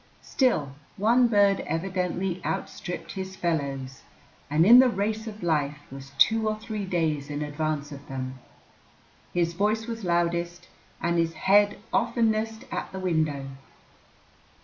Still, one bird evidently outstripped his fellows, and in the race of life was two or three days in advance of them. His voice was loudest and his head oftenest at the window.